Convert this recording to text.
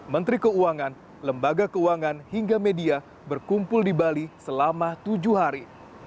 menteri keuangan lembaga keuangan hingga media berkumpul di bali selama tujuh hari